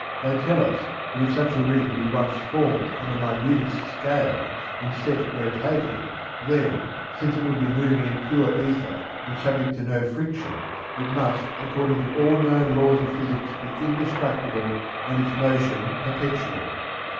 They tell us that if such a ring be once formed on the minutest scale and set rotating, then, since it would be moving in pure ether and subject to no friction, it must according to all known laws of physics be indestructible and its motion perpetual.